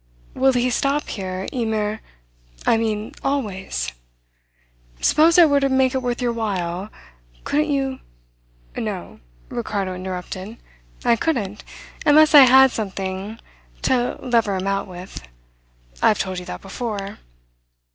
Will he stop here immer I mean always? Suppose I were to make it worth your while, couldn't you " "No," Ricardo interrupted. "I couldn't, unless I had something to lever him out with. I've told you that before."